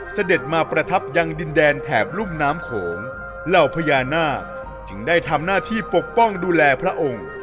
เสด็จมาประทับยังดินแดนแถบรุ่มน้ำโขงเหล่าพญานาคจึงได้ทำหน้าที่ปกป้องดูแลพระองค์